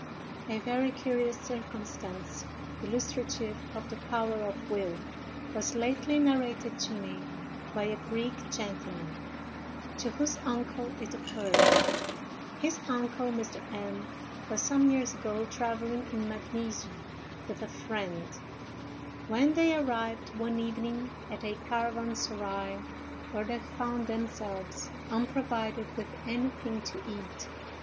A VERY curious circumstance, illustrative of the power of will, was lately narrated to me by a Greek gentleman, to whose uncle it occurred. His uncle, Mr. M——, was some years ago travelling in Magnesia with a friend, when they arrived one evening at a caravanserai, where they found themselves unprovided with anything to eat.